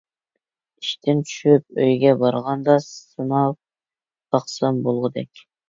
ئىشتىن چۈشۈپ ئۆيگە بارغاندا سىناپ باقسام بولغۇدەك.